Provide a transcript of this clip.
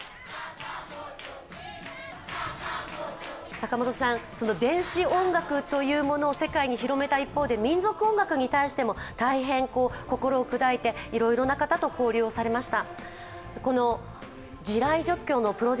坂本さん、電子音楽というものを世界に広めた一方で民俗音楽に対しても大変心を砕いて、いろいろな方と交流をされました。